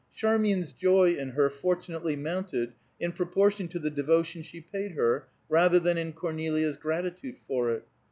Charmian's joy in her fortunately mounted in proportion to the devotion she paid her, rather than Cornelia's gratitude for it.